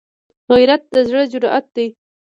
غیرت د زړه جرأت دی